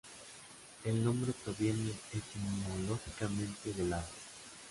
El nombre proviene etimológicamente del árabe.